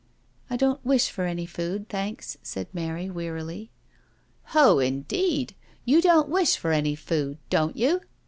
I don't wish for any food, thanks," said Mary wearily. " Ho, indeed— you don't wish for any food, don't you?"